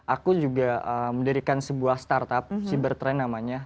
aku juga mendirikan sebuah startup cybertrend namanya